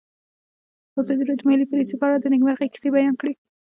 ازادي راډیو د مالي پالیسي په اړه د نېکمرغۍ کیسې بیان کړې.